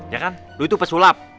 ya kan dulu itu pesulap